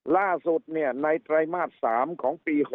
ล่าสุดในไตรมาส๓ของปี๖๖